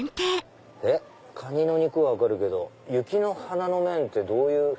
カニの肉は分かるけど雪の花の麺ってどういう？